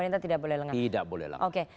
tidak boleh lengah